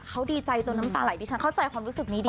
เขาดีใจจนน้ำตาไหลดิฉันเข้าใจความรู้สึกนี้ดี